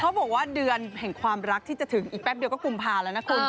บอกว่าเดือนแห่งความรักที่จะถึงอีกแป๊บเดียวก็กุมภาแล้วนะคุณ